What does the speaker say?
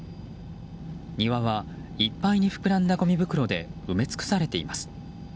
庭はいっぱいに膨らんだごみ袋で埋め尽くされています。